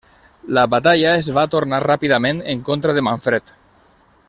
La batalla es va tornar ràpidament en contra de Manfred.